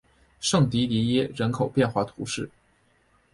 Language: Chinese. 圣迪迪耶人口变化图示